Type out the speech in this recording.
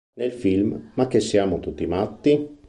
Nel film "Ma che siamo tutti matti?